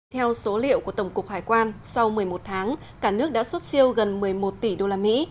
theo số liệu của tổng cục hải quan sau một mươi một tháng cả nước đã xuất siêu gần một mươi một tỷ đô la mỹ